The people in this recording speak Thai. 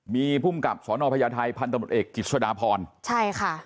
มีพุ่มกับสอนอพยาทัยพันตำลดเอกกิจชะดาพรใช่ค่ะ